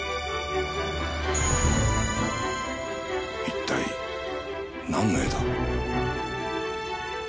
一体なんの絵だ？